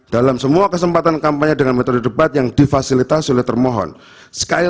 dalam semua kesempatan kampanye dengan metode debat yang difasilitasi oleh termohon